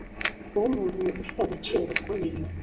kuba umuntu ufite agaciro gakomeye